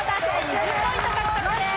２０ポイント獲得です。